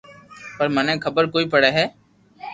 پر مني خبر ڪوئي پڙي ھي